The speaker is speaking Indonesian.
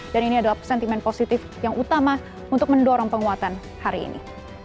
dan ini adalah sentimen positif yang utama untuk mendorong penguatan hari ini